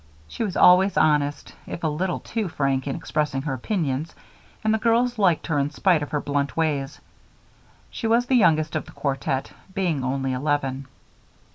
She was always honest, if a little too frank in expressing her opinions, and the girls liked her in spite of her blunt ways. She was the youngest of the quartet, being only eleven.